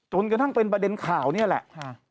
จนกระทั่งเป็นประเด็นข่าวนี่แหละ